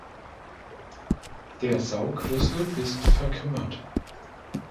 Der Saugrüssel ist verkümmert.